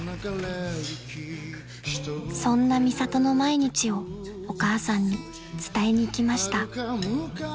［そんなミサトの毎日をお母さんに伝えに行きました］